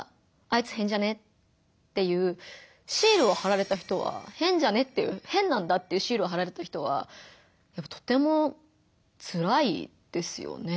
「あいつ変じゃね？」っていうシールをはられた人は「変じゃね？」っていう「変なんだ」っていうシールをはられた人はやっぱとてもつらいですよね。